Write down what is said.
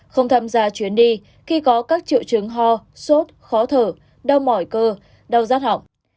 không tham gia chuyến đi khi có các triệu chứng ho sốt khó thở đau mỏi cơ đau rát hỏng